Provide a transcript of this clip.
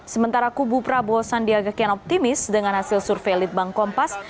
sementara kubu prabowo sandiaga kian optimis dengan hasil survei litbang kompas